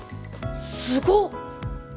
すごっ